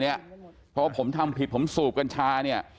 เพราะว่าผมทำผิดผมสูบกัญชา